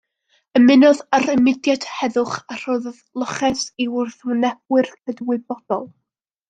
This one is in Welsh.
Ymunodd â'r mudiad heddwch a rhoddodd loches i wrthwynebwyr cydwybodol.